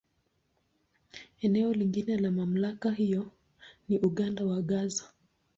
Eneo lingine la MamlakA hiyo ni Ukanda wa Gaza.